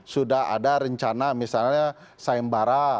sudah ada rencana misalnya sayembara